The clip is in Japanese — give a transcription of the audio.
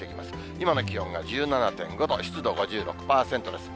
今の気温が１７．５度、湿度５６％です。